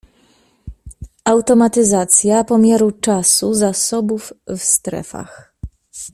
Automatyzacja pomiaru czasu zasobów w strefach